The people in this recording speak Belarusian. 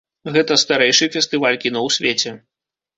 Гэта старэйшы фестываль кіно ў свеце.